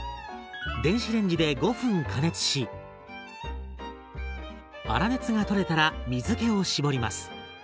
電子レンジで５分加熱し粗熱が取れたら水けを絞ります。